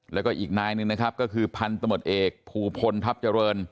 แล้วก็อีกนายหนึ่งนะครับก็คือพันธมตเอกภูพลทัพเจริญ